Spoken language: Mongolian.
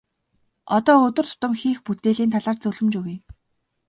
Одоо өдөр тутам хийх бүтээлийн талаар зөвлөмж өгье.